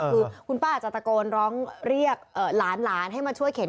คือคุณป้าอาจจะตะโกนร้องเรียกหลานให้มาช่วยเข็น